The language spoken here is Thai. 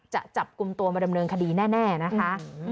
จับกลุ่มตัวมาดำเนินคดีแน่นะคะ